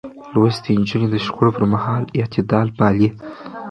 لوستې نجونې د شخړو پر مهال اعتدال پالي.